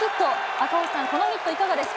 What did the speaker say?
赤星さん、このヒットいかがです